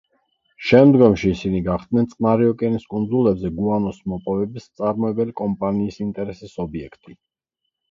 შემდგომში ისინი გახდნენ წყნარი ოკეანის კუნძულებზე გუანოს მოპოვების მწარმოებელი კომპანიის ინტერესის ობიექტი.